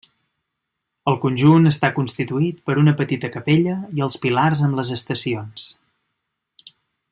El conjunt està constituït per una petita capella i els pilars amb les estacions.